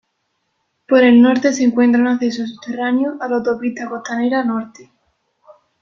Por el norte se encuentra un acceso subterráneo a la autopista Costanera Norte.